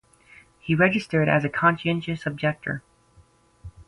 He registered as a conscientious objector.